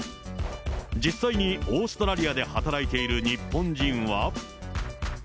実際にオーストラリアで働いている日本人は。